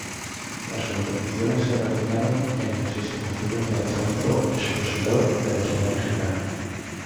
Las competiciones se realizaron en las instalaciones del Centro Expositor de la ciudad mexicana.